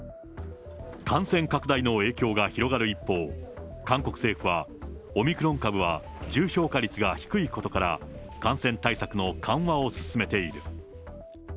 感染拡大の影響が広がる一方、韓国政府は、オミクロン株は重症化率が低いことから、感染対策の緩和を進めている。